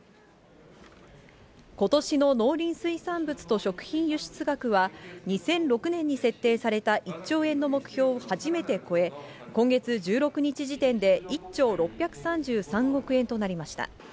ことしの農林水産物と食品輸出額は、２００６年に設定された１兆円の目標を初めて超え、今月１６日時点で、１兆６３３億円となりました。